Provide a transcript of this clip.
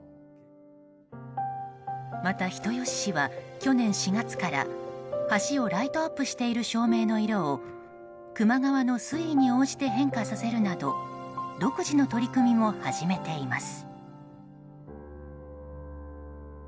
また人吉市は去年４月から、橋をライトアップしている照明の色を球磨川の水位に応じて変化させるなど独自の取り組みも始めています。